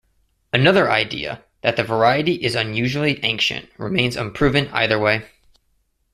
Another idea, that the variety is unusually ancient, remains unproven either way.